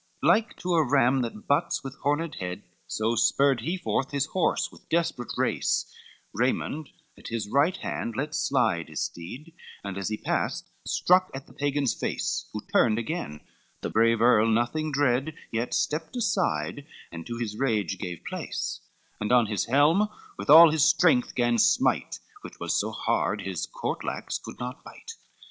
LXXXVIII Like to a ram that butts with horned head, So spurred he forth his horse with desperate race: Raymond at his right hand let slide his steed, And as he passed struck at the Pagan's face; He turned again, the earl was nothing dread, Yet stept aside, and to his rage gave place, And on his helm with all his strength gan smite, Which was so hard his courtlax could not bite.